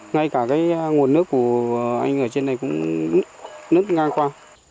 ngay cả cái nguồn nước của anh ở trên này cũng nứt ngang qua